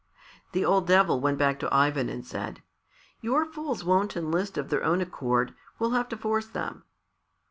The old Devil went back to Ivan and said, "Your fools won't enlist of their own accord; we'll have to force them."